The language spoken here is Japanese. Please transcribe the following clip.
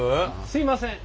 すいません。